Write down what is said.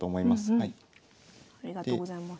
ありがとうございます。